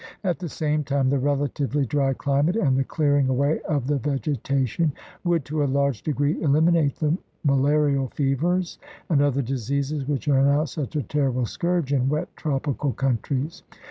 At the same time the relatively dry climate and the clearing away of the vegetation would to a large degree eliminate the malarial fevers and other diseases which are now such a terrible scourge in wet tropi cal countries.